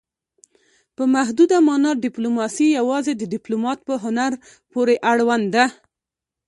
په محدوده مانا ډیپلوماسي یوازې د ډیپلومات په هنر پورې اړوند ده